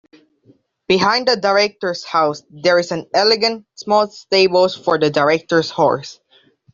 Behind the Director's house there is an elegant, small stables for the Director's horses.